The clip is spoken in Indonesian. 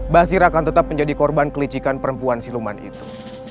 basir akan tetap menjadi korban kelicikan perempuan siluman itu